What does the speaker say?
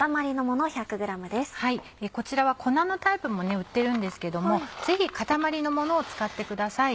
こちらは粉のタイプも売ってるんですけれどもぜひ塊のものを使ってください。